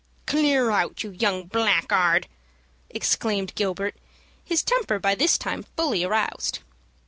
"Clear out, you young blackguard!" exclaimed Gilbert, his temper by this time fully aroused.